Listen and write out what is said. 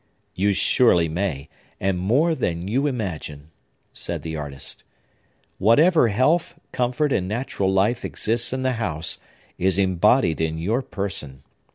"You surely may, and more than you imagine," said the artist. "Whatever health, comfort, and natural life exists in the house is embodied in your person.